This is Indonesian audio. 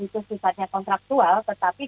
itu sifatnya kontraktual tetapi